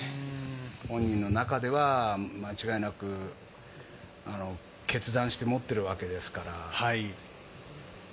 本人の中では間違いなく、決断して持っているわけですから。